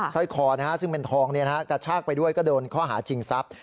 สร้อยคอซึ่งเป็นทองกระชากไปด้วยก็โดนข้อหาชิงทรัพย์